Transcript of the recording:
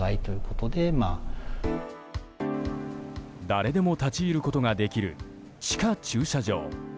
誰でも立ち入ることができる地下駐車場。